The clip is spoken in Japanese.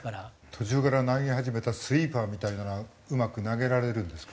途中から投げ始めたスイーパーみたいなのはうまく投げられるんですか？